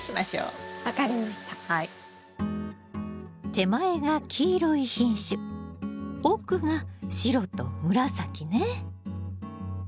手前が黄色い品種奥が白と紫ね。